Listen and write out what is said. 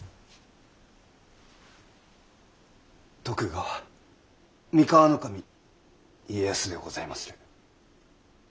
徳川三河守家康でございまする。